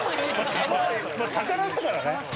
サバ魚だからね。